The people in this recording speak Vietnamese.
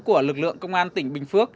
của lực lượng công an tỉnh bình phước